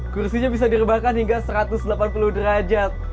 kursinya bisa dirubahkan hingga satu ratus delapan puluh derajat